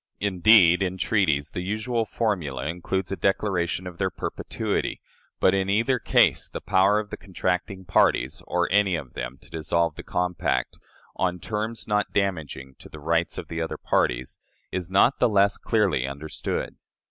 Indeed, in treaties, the usual formula includes a declaration of their perpetuity; but in either case the power of the contracting parties, or of any of them, to dissolve the compact, on terms not damaging to the rights of the other parties, is not the less clearly understood.